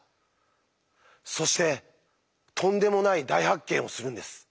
そしてとんでもない大発見をするんです。